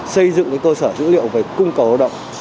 xây dựng cơ sở dữ liệu về cung cầu lao động